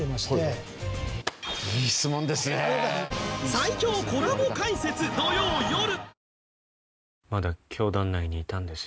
最強コラボ解説土曜よる